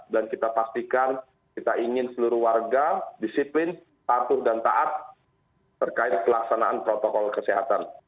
dan kita pastikan kita ingin seluruh warga disiplin patuh dan taat terkait kelaksanaan protokol kesehatan